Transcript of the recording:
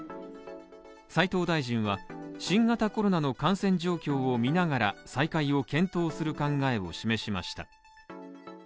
斉藤大臣は、新型コロナの感染状況を見ながら再開を検討する考えを示しました。